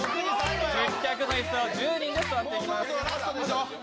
１０脚の椅子を１０人で座っていきます。